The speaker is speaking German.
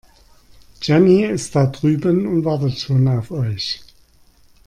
Jenny ist da drüben und wartet schon auf euch.